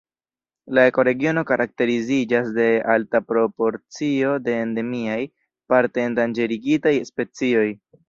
La ekoregiono karakteriziĝas de alta proporcio de endemiaj, parte endanĝerigitaj specioj.